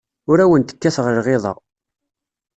Ur awent-kkateɣ lɣiḍa.